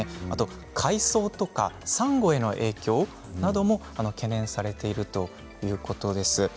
海藻とか珊瑚への影響なども懸念されているということです。